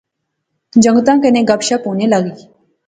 جنگتیں کنے گپ شپ ہونے لغی